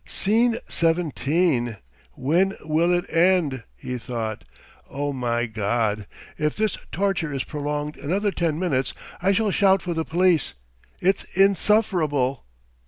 "Scene seventeen! When will it end?" he thought. "Oh, my God! If this torture is prolonged another ten minutes I shall shout for the police. It's insufferable."